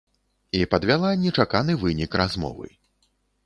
І падвяла нечаканы вынік размовы.